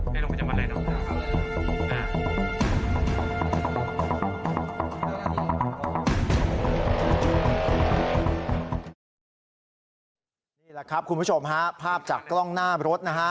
นี่แหละครับคุณผู้ชมฮะภาพจากกล้องหน้ารถนะฮะ